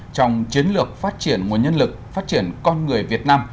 trong chiến lược phát triển nguồn nhân lực phát triển con người việt nam